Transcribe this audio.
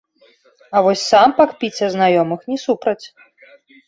А вось сам пакпіць са знаёмых не супраць.